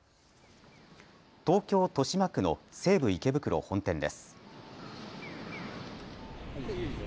東京・豊島区の西武池袋本店です。